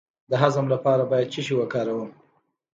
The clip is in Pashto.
د هضم لپاره باید څه شی وکاروم؟